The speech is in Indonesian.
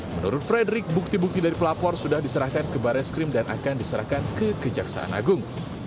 menurut frederick bukti bukti dari pelapor sudah diserahkan ke baris krim dan akan diserahkan ke kejaksaan agung